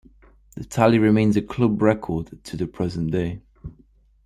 The tally remains a club record to the present day.